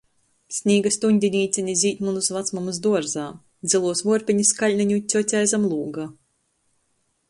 Snīga stuņdinīceni zīd munys vacmamys duorzā, zyluos vuorpenis Kaļneņu cjocei zam lūga.